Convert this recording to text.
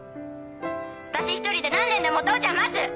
私一人で何年でもお父ちゃん待つ！